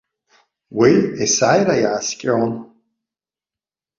Уи есааира иааскьон.